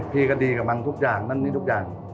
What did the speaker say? พี่ก็ดีกับมันทุกอย่างนั่นนี่ทุกอย่าง